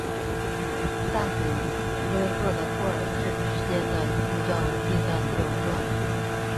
赞古勒赫的波尔至之间的路段为第三标段。